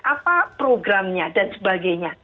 apa programnya dan sebagainya